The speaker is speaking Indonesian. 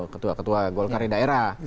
ketua ketua golkar di daerah